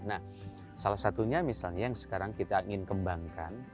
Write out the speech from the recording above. nah salah satunya misalnya yang sekarang kita ingin kembangkan